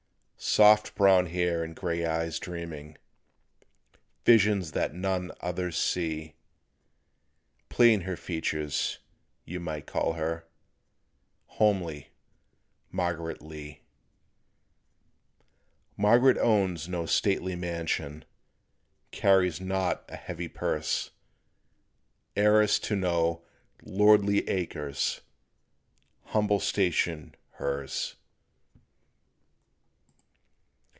Soft brown hair and grey eyes dreaming Visions that none others see; Plain her features; you might call her Homely Margaret Lee. Margaret owns no stately mansion, Carries not a heavy purse; Heiress to no "lordly acres," Humble station hers.